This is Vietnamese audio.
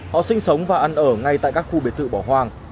họ sinh sống và ăn ở ngay tại các khu biệt thự bỏ hoang